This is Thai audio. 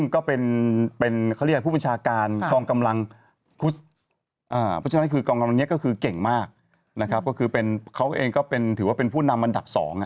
ก็นี่จุดเริ่มติดก็คือเขาก็ไปทำ